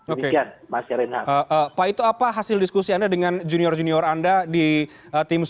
oke pak itu apa hasil diskusi anda dengan junior junior anda di tim